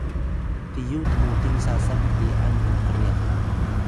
Ipay: tiyu tmuting sasan tli’an mu kryax